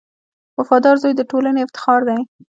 • وفادار زوی د ټولنې افتخار دی.